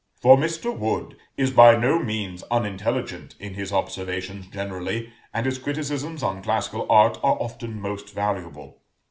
For Mr. Wood is by no means unintelligent in his observations generally, and his criticisms on classical art are often most valuable.